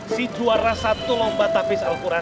si juara satu lomba tabis al quran